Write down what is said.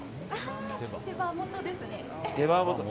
手羽元ですね。